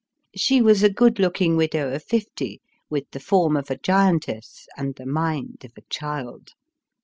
She was a good looking widow of fifty, with the form of a giantess and the mind of a child.